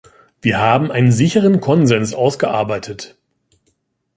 Wir haben einen sicheren Konsens ausgearbeitet.